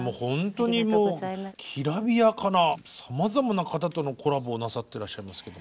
きらびやかなさまざまな方とのコラボをなさってらっしゃいますけど。